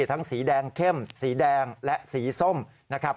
สีแดงเข้มสีแดงและสีส้มนะครับ